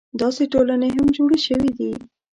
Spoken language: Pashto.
داسې ټولنې هم جوړې شوې دي.